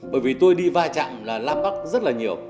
bởi vì tôi đi vai trạm là lam bắc rất là nhiều